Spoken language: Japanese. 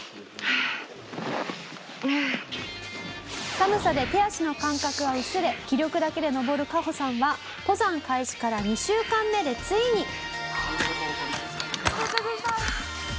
「寒さで手足の感覚は薄れ気力だけで登るカホさんは登山開始から２週間目でついに」到着した。